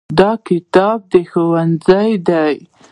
دا کتاب د ښوونځي دی.